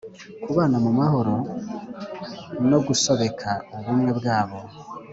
kubana mu mahoro nogusobeka ubumwe bwabo